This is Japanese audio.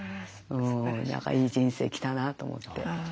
何かいい人生来たなと思って。